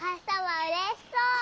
うれしそう。